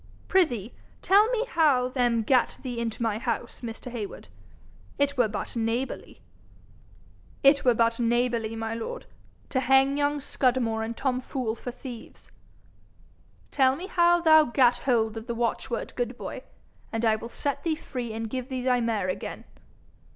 'Prithee tell me how them gat thee into my house, Mr. Heywood? It were but neighbourly.' 'It were but neighbourly, my lord, to hang young Scudamore and Tom Fool for thieves.' 'Tell me how thou gat hold of the watchword, good boy, and I will set thee free, and give thee thy mare again.'